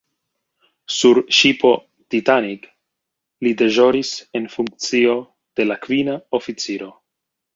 Sur ŝipo "Titanic" li deĵoris en funkcio de la kvina oficiro.